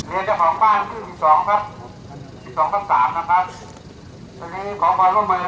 เรียนเจ้าของบ้านคือ๑๒ครับ๑๒กับ๓นะครับ